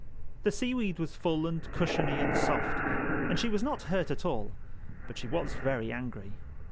The seaweed was full and cushiony and soft, and she was not hurt at all—but she was very angry.